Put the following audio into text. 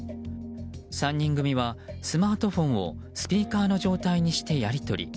３人組はスマートフォンをスピーカーの状態にしてやり取り。